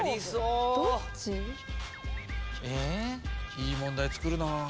いい問題作るなぁ。